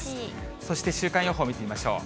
そして週間予報、見てみましょう。